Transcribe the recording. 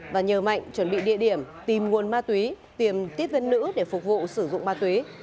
và nhờ mạnh chuẩn bị địa điểm tìm nguồn ma túy tìm tiếp viên nữ để phục vụ sử dụng ma túy